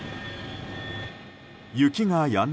雪がやんだ